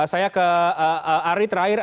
saya ke ari terakhir